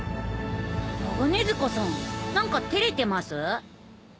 鋼鐵塚さん何か照れてます？